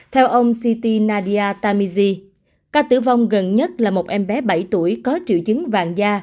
theo ông city nadia tamiji ca tử vong gần nhất là một em bé bảy tuổi có triệu chứng vàng da